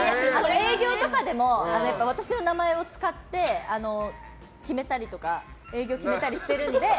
営業とかでも私の名前を使って営業を決めたりしているので。